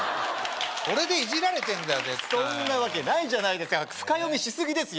これでイジられてんだよ絶対そんなわけないじゃないですか深読みしすぎですよ